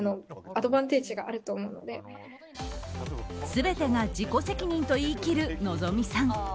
全てが自己責任と言い切る望実さん。